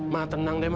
ma tenang deh ma